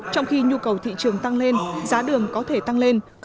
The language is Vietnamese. trong khi nhu cầu thị trường tăng lên giá đường có thể tăng lên